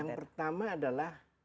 yang pertama adalah